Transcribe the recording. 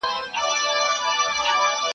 غټ بدن داسي قوي لکه زمری ؤ.